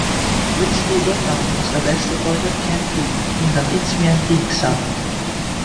Whitstable Town are the best supported Kent team in the Isthmian League South.